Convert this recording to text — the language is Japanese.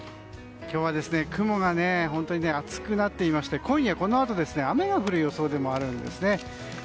今日は雲が厚くなっていまして今夜このあと雨が降る予想でもあるんですね。